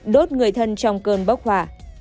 đốt người thân trong cơn bốc hòa